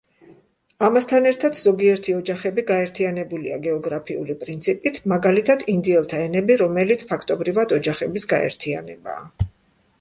ამასთან ერთად, ზოგიერთი ოჯახები გაერთიანებულია გეოგრაფიული პრინციპით, მაგალითად „ინდიელთა ენები“, რომელიც ფაქტობრივად ოჯახების გაერთიანებაა.